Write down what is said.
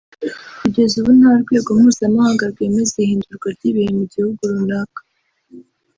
Kugeza ubu nta rwego mpuzamahanga rwemeza ihindurwa ry’ibihe mu gihugu runaka